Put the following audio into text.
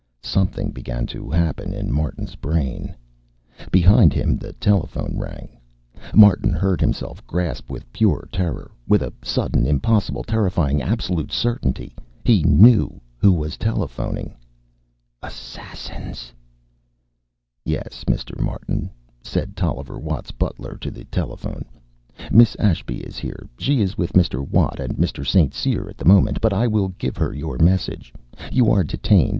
Something began to happen in Martin's brain.... Behind him, the telephone rang. Martin heard himself gasp with pure terror. With a sudden, impossible, terrifying, absolute certainty he knew who was telephoning. Assassins! "Yes, Mr. Martin," said Tolliver Watt's butler to the telephone. "Miss Ashby is here. She is with Mr. Watt and Mr. St. Cyr at the moment, but I will give her your message. You are detained.